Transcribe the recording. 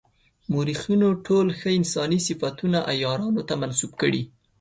مورخینو ټول ښه انساني صفتونه عیارانو ته منسوب کړي.